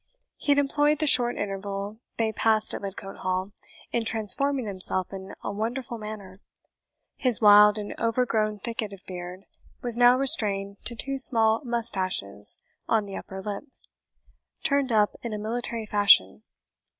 He had employed the short interval they passed at Lidcote Hall in transforming himself in a wonderful manner. His wild and overgrown thicket of beard was now restrained to two small moustaches on the upper lip, turned up in a military fashion.